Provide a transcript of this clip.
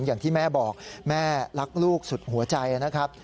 อย่างที่แม่บอกแม่รักลูกสุดหัวใจนะครับ